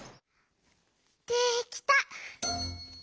できた！